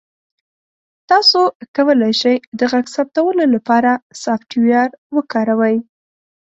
تاسو کولی شئ د غږ ثبتولو لپاره سافټویر وکاروئ.